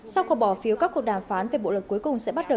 sau cuộc bỏ phiếu các cuộc đàm phán về bộ lực cuối cùng sẽ bắt đầu